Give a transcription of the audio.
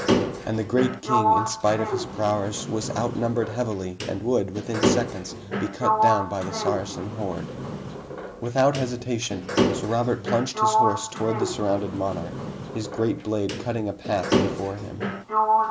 And the great king, in spite of his prowess was outnumbered heavily and would, within seconds, be cut down by the Saracen horde! Without hesitation, Sir Robert plunged his horse toward the surrounded monarch, his great blade cutting a path before him.